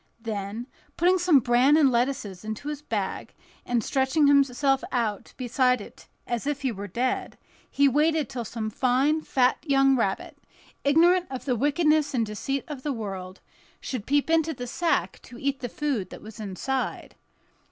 Then, putting some bran and lettuces into his bag, and stretching himself out beside it as if he were dead, he waited till some fine, fat young rabbit, ignorant of the wickedness and deceit of the world, should peep into the sack to eat the food that was inside.